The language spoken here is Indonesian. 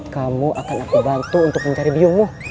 kamu akan aku bantu untuk mencari biomo